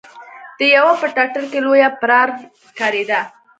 د يوه په ټټر کې لوی پرار ښکارېده.